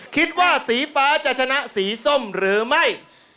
คิดว่าสีฟ้าจะชนะสีส้มหรือไม่